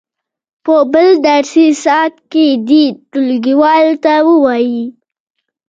په بل درسي ساعت کې دې ټولګیوالو ته ووایي.